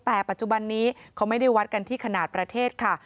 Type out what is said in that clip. แต่ปัจจุบันนี้เขาไม่ได้วัดกันที่ขนาดประเทศค่ะ